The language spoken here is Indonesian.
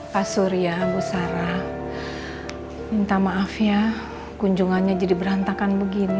pak surya bu sarah minta maaf ya kunjungannya jadi berantakan begini